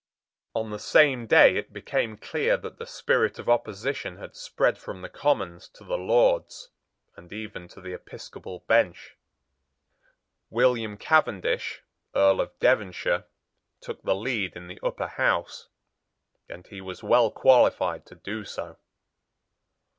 On the same day it became clear that the spirit of opposition had spread from the Commons to the Lords, and even to the episcopal bench. William Cavendish, Earl of Devonshire, took the lead in the Upper House; and he was well qualified to do so.